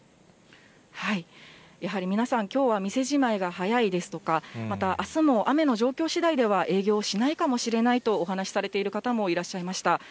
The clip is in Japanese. やはり皆さん、きょうは店じまいが早いですとか、また、あすも雨の状況しだいでは営業しないかもしれないと、お話されている方もいらっしゃいました。